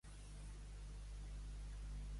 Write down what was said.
Jugar al cavallet de Manises.